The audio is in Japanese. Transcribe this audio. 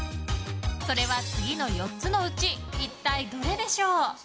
それは次の４つのうち一体どれでしょう？